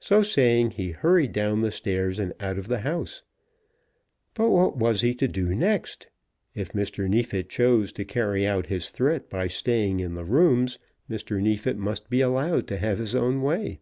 So saying, he hurried down the stairs and out of the house. But what was he to do next? If Mr. Neefit chose to carry out his threat by staying in the rooms, Mr. Neefit must be allowed to have his own way.